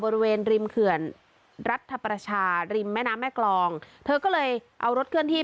บริเวณริมเขื่อนรัฐประชาริมแม่น้ำแม่กรองเธอก็เลยเอารถเคลื่อนที่